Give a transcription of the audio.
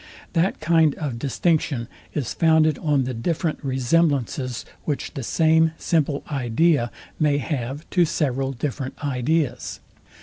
That kind of distinction is founded on the different resemblances, which the same simple idea may have to several different ideas.